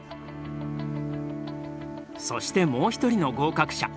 そしてもう一人の合格者。